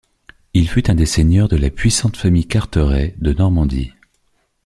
Il fut un des seigneurs de la puissante Famille Carteret de Normandie.